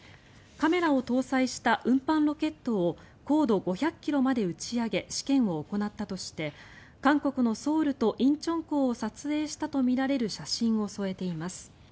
カメラを搭載した運搬ロケットを高度５００ｋｍまで打ち上げ試験を行ったとして韓国のソウルと仁川港を撮影したとみられる写真を添えています。